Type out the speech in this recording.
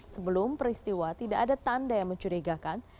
sebelum peristiwa tidak ada tanda yang mencurigakan